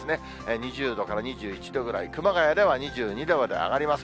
２０度から２１度くらい、熊谷では２２度まで上がります。